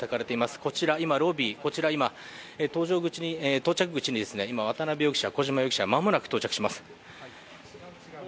こちら、今、ロビー、到着口に今、渡辺容疑者、小島容疑者間もなく到着します。